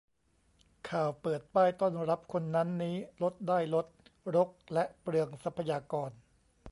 ข่าวเปิดป้าย ต้อนรับคนนั้นนี้ ลดได้ลด รกและเปลืองทรัพยากร